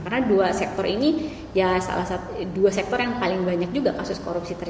karena dua sektor ini ya salah satu dua sektor yang paling banyak juga kasus korupsi terjadi